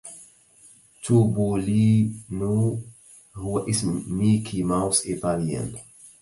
توبولينو هو إسم ميكي ماوس إيطاليا.